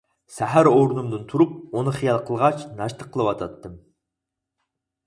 سەھەر ئورنۇمدىن تۇرۇپ ئۇنى خىيال قىلغاچ ناشتا قىلىۋاتاتتىم.